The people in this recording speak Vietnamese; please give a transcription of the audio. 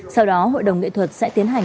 sau đó hội đồng nghệ thuật sẽ tiến hành